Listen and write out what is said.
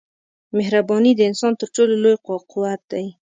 مهرباني د انسان تر ټولو لوی قوت دی.